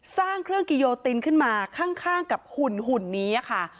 สร้างเครื่องกิโยตินขึ้นมาข้างกับหุ่นนี้ค่ะ